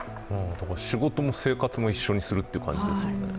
仕事も生活も一緒にするという感じですよね。